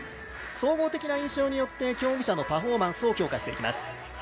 総合的な印象によって競技者のパフォーマンスを評価していきます。